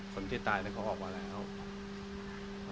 คนที่ตายนี่เขาออกมาแล้ว